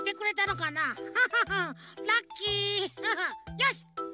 よし！